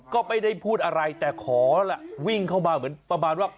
ก็ไม่ได้พูดอะไรแต่ขอล่ะวิ่งเข้ามาเหมือนประมาณว่า